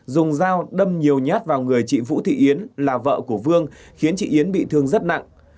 dùng dao đâm nhiều nhát vào người chị vũ thị yến là vợ của vương khiến chị yến bị thương rất nặng